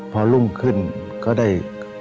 พอรุ่งขึ้นก็ได้